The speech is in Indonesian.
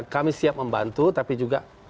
kami siap membantu tapi juga